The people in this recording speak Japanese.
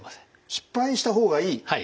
失敗した方がいい？